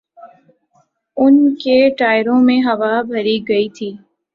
ان کے ٹائروں میں ہوا بھری گئی تھی۔